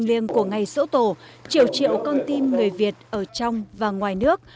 liên liên của ngày sổ tổ triệu triệu con tim người việt ở trong và ngoài nước